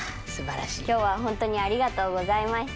今日はホントにありがとうございました。